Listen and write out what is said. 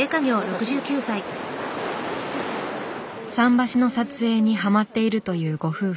桟橋の撮影にハマっているというご夫婦。